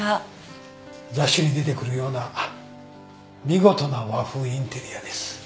雑誌に出てくるような見事な和風インテリアです。